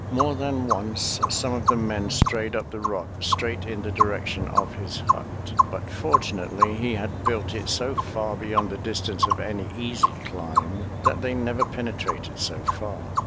More than once some of the men strayed up the rocks straight in the direction of his hut, but fortunately he had built it so far beyond the distance of any easy climb that they never penetrated so far.